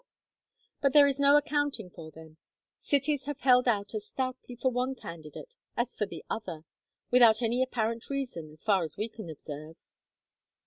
But there is no accounting for them; cities have held out as stoutly for one candidate as for the other, without any apparent reason, so far as we can observe.